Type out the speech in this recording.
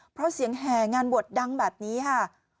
เพราะเสียงแห่งานบวชดังแบบนี้ค่ะ